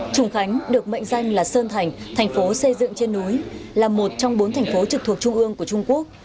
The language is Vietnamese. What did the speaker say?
trùng khánh được mệnh danh là sơn thành thành phố xây dựng trên núi là một trong bốn thành phố trực thuộc trung ương của trung quốc